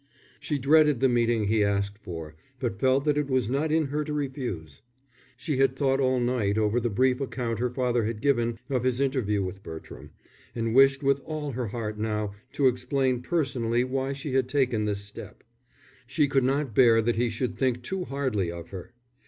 She dreaded the meeting he asked for, but felt that it was not in her to refuse. She had thought all night over the brief account her father had given of his interview with Bertram, and wished with all her heart now to explain personally why she had taken this step. She could not bear that he should think too hardly of her.